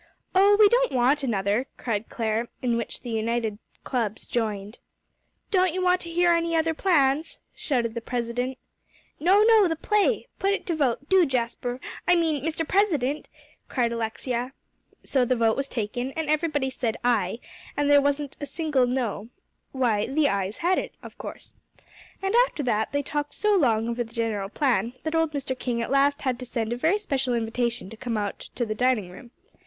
"Oh, we don't want another," cried Clare, in which the united clubs joined. "Don't you want to hear any other plans?" shouted the president. "No, no the play! Put it to vote, do, Jasper I mean, Mr. President," cried Alexia. So the vote was taken, and everybody said, "Aye," and as there wasn't a single "No," why the "ayes" had it of course. And after that they talked so long over the general plan, that old Mr. King at last had to send a very special invitation to come out to the dining room.